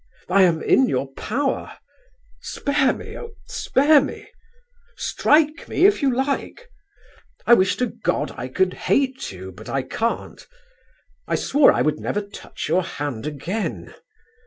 I am in your power ... spare me, oh, spare me ... strike me if you like. I wish to God I could hate you, but I can't. I swore I would never touch your hand again.